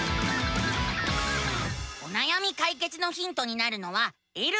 おなやみ解決のヒントになるのは「えるえる」。